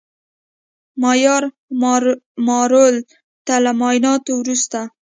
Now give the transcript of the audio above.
ماریا مارلو ته له معاینانو وروسته